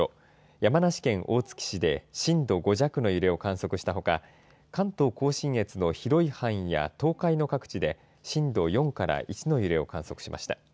山梨県大月市で震度５弱の揺れを観測したほか、関東甲信越の広い範囲や東海の各地で、震度４から１の揺れを観測しました。